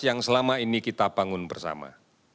yang selama ini kita bangun bersama